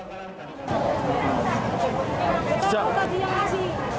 sebelumnya pedagang pasar tidak pernah membuat alatyoung wajah hanya memakai masker